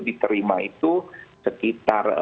diterima itu sekitar